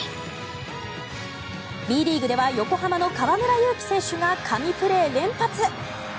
Ｂリーグでは横浜の河村勇輝選手が神プレー連発。